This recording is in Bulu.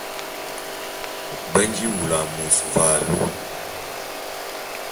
Be nji wulu a môs ve alu.